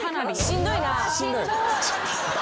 しんどいな。